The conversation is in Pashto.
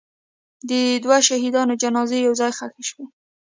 د دوو شهیدانو جنازې یو ځای ښخ شوې.